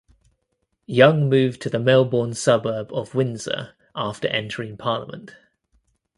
Young moved to the Melbourne suburb of Windsor after entering parliament.